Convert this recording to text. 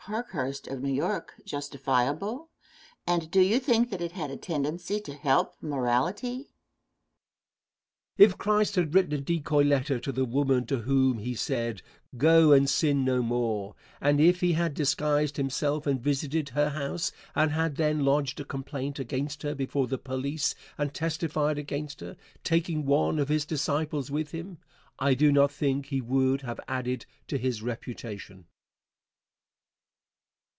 Parkhurst, of New York, justifiable, and do you think that it had a tendency to help morality? Answer. If Christ had written a decoy letter to the woman to whom he said: "Go and sin no more," and if he had disguised himself and visited her house and had then lodged a complaint against her before the police and testified against her, taking one of his disciples with him, I do not think he would have added to his reputation.